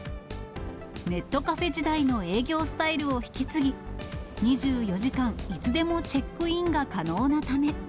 ネットカフェ時代の営業スタイルを引き継ぎ、２４時間、いつでもチェックインが可能なため。